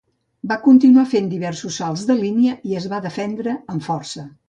Va continuar fent diversos salts de línia i es va defendre amb força.